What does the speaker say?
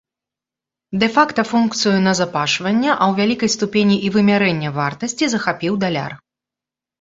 Дэ-факта функцыю назапашвання, а ў вялікай ступені і вымярэння вартасці захапіў даляр.